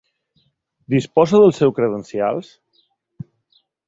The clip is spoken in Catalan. Disposa dels seus credencials?